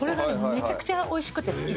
めちゃくちゃおいしくて好きで。